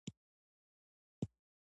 بزګان د افغانستان د سیلګرۍ برخه ده.